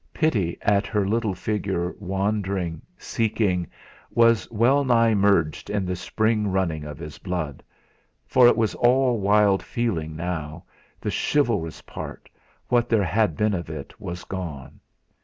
Pity at her little figure wandering, seeking, was well nigh merged in the spring running of his blood; for it was all wild feeling now the chivalrous part, what there had been of it, was gone.